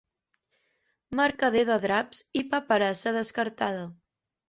Mercader de draps i paperassa descartada.